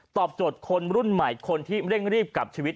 โจทย์คนรุ่นใหม่คนที่เร่งรีบกลับชีวิต